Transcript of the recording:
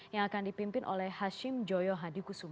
yang akan dipimpin oleh hashim joyo hadi kusuma